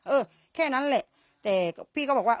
เออแค่นั้นแหละแต่พี่ก็บอกว่า